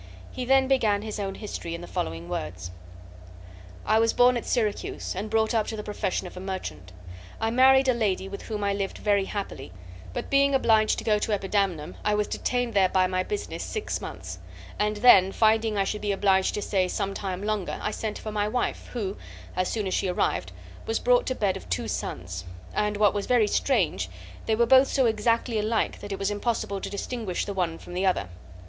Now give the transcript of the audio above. He then began his own history, in the following words: "I was born at Syracuse, and brought up to the profession of a merchant. I married a lady, with whom I lived very happily, but, being obliged to go to Epidamnum, I was detained there by my business six months, and then, finding I should be obliged to stay some time longer, I sent for my wife, who, as soon as she arrived, was brought to bed of two sons, and what was very strange, they were both so exactly alike that it was impossible to distinguish the one from the other.